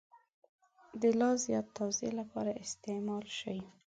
د لا زیات توضیح لپاره استعمال شي.